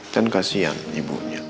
dan kasihan ibunya